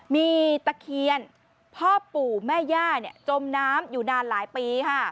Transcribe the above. มีตะเคียนพ่อปู่แม่ย่าจมน้ำอยู่นานหลายปีค่ะ